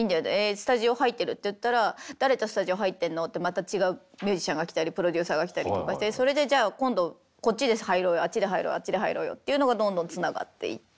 スタジオ入ってる」っていったら「誰とスタジオ入ってんの？」ってまた違うミュージシャンが来たりプロデューサーが来たりとかしてそれでじゃあ今度こっちで入ろうよあっちで入ろうよあっちで入ろうよっていうのがどんどんつながっていって。